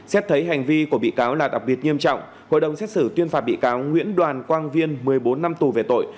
xét thấy hành vi của bị cáo là đặc biệt nghiêm trọng hội đồng xét xử tuyên phạt bị cáo nguyễn đoàn quang viên một mươi bốn năm tù về tội